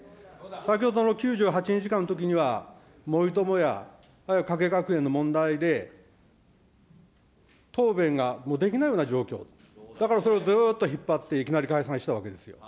先ほどの９８日間のときには、森友や加計学園の問題で、答弁ができないような状況、だから、それをずっと引っ張っていきなり解散したわけですよ。